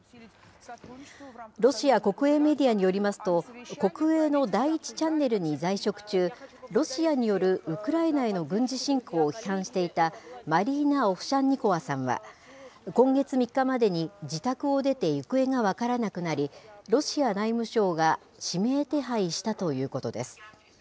ロシア国営メディアによりますと、国営の第１チャンネルに在職中、ロシアによるウクライナへの軍事侵攻を批判していたマリーナ・オフシャンニコワさんは、今月３日までに自宅を出て行方が分からなくなり、ロシア内務省が指名手配したということです。